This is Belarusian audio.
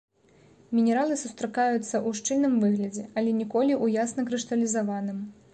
Мінералы сустракаюцца ў шчыльным выглядзе, але ніколі ў ясна крышталізаваным.